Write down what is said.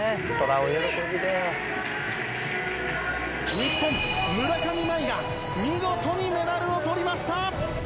日本村上茉愛が見事にメダルを取りました！